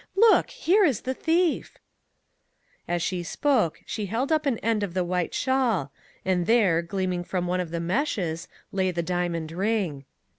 Look ! here is the thief." 130 THINGS "WORKING TOGETHER" As she spoke she held up an end of the white shawl, and there, gleaming from one of the meshes, lay the diamond ring.